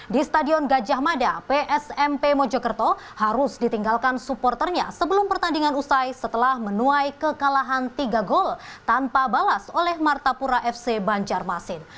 di stadion gajah mada psmp mojokerto harus ditinggalkan supporternya sebelum pertandingan usai setelah menuai kekalahan tiga gol tanpa balas oleh martapura fc banjarmasin